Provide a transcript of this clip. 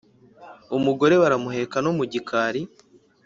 Umugore baramuheka, no mu gikari,